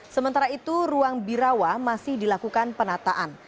sementara itu ruang birawa masih dilakukan penataan